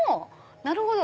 なるほど！